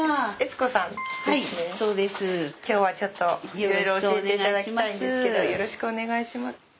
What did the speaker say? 今日はちょっといろいろ教えていただきたいんですけどよろしくお願いします。